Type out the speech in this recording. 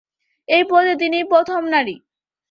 এই পদে তিনিই প্রথম নারী।